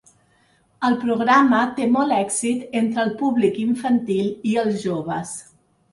El programa té molt èxit entre el públic infantil i els joves.